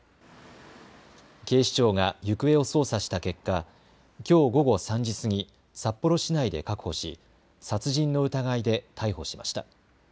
警視庁が行方を捜査した結果、きょう午後３時過ぎ、札幌市内で確保し殺人の疑いで逮捕しました。